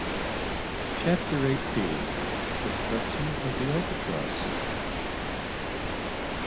CHAPTER EIGHTEEN. DESTRUCTION OF THE "ALBATROSS."